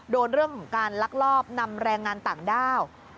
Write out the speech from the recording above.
โดนเรื่องของการลักลอบนำแรงงานต่างด้าว